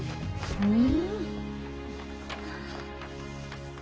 うん。